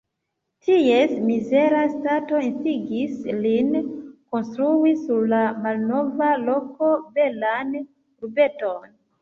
Ties mizera stato instigis lin, konstrui sur la malnova loko belan urbeton.